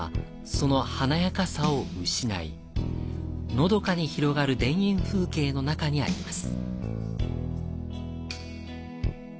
のどかに広がる田園風景の中にあります。